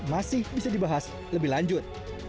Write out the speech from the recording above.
masih bisa dibahas lebih lanjut